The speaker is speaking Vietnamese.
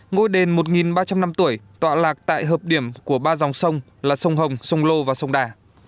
ngôi đền một ba trăm linh năm tuổi tọa lạc tại hợp điểm của ba dòng sông là sông hồng sông lô và sông đà